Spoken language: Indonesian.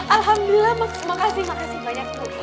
alhamdulillah makasih makasih banyak bu